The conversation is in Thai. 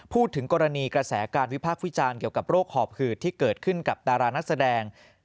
พูดถึงกรณีกระแสการวิพากษ์วิจารณ์เกี่ยวกับโรคหอบหืดที่เกิดขึ้นกับดารานักแสดง